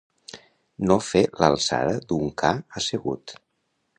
No fer l'alçada d'un ca assegut.